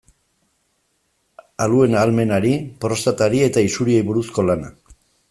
Aluen ahalmenari, prostatari eta isuriei buruzko lana.